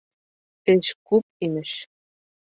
Эш күп, имеш.